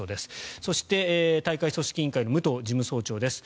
そして、大会組織委員会の武藤事務総長です。